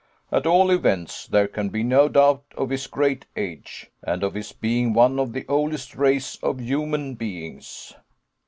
At all events, there can be no doubt of his great age, and of his being one of the oldest race of human beings."